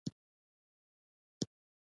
ويې فرمايل چې ده ځان وژلى ځانوژنه حرامه ده.